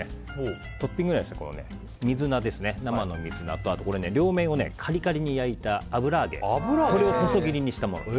トッピングは、生の水菜と両面をカリカリに焼いた油揚げを細切りにしたものです。